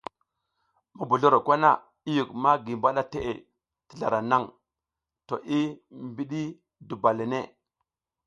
Mobozloro kwana i yuk magi mbaɗa teʼe ti zlara naŋ to i mbiɗi duba le ne.